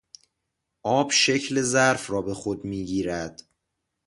آب شکل ظرف را به خود میگیرد.